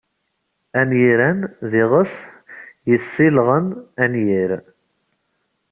Anyiran d iɣes yessilɣen anyir.